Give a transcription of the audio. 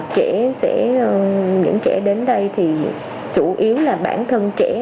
trẻ những trẻ đến đây thì chủ yếu là bản thân trẻ